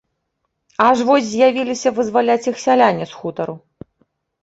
Аж вось з'явіліся вызваляць іх сяляне з хутару.